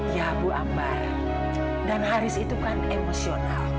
ya bu ambar dan haris itu kan emosional